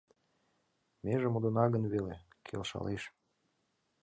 Меже модына гын веле, келшалеш.